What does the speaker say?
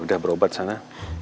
udah berobat sana